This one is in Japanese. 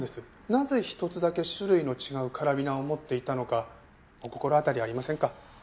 なぜ一つだけ種類の違うカラビナを持っていたのかお心当たりありませんか？